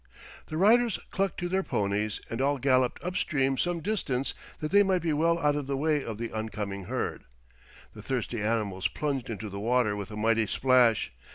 The riders clucked to their ponies and all galloped up stream some distance that they might be well out of the way of the oncoming herd. The thirsty animals plunged into the water with a mighty splash.